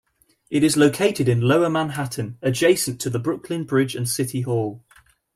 It is located in Lower Manhattan, adjacent to the Brooklyn Bridge and City Hall.